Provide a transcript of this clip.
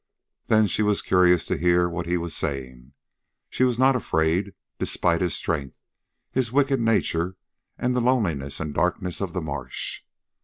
Then she was curious to hear what he was saying. She was not afraid, despite his strength, his wicked nature, and the loneliness and darkness of the marsh.